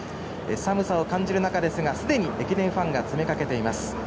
寒さを感じる中ですがすでに駅伝ファンが詰め掛けています。